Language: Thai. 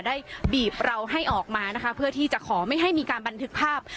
ได้บีบเราให้ออกมานะคะเพื่อที่จะขอไม่ให้มีการบันทึกภาพ